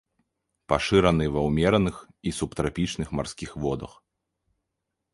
Пашыраны ва ўмераных і субтрапічных марскіх водах.